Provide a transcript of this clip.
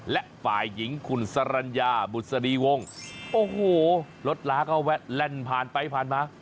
และฝ่ายหญิงคุณสรรญาบุษฎีวงศ์โอ้โหรถล้าก็แวะแล่นผ่านไปผ่านมา